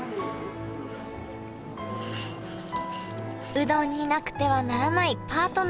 うどんになくてはならないパートナー。